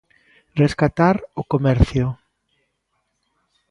Rescatar o comercio.